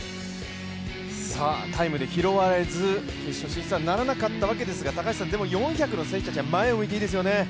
タイムで拾われず決勝進出はならなかったわけですが、でも４００の選手たちは前を向いていいですよね。